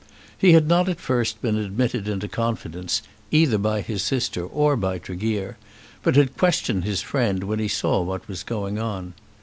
He had not at first been admitted into confidence, either by his sister or by Tregear, but had questioned his friend when he saw what was going on.